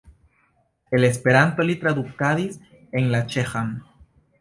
El Esperanto li tradukadis en la ĉeĥan.